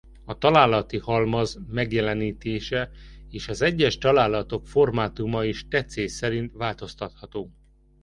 A találati halmaz megjelenítése és az egyes találatok formátuma is tetszés szerint változtatható.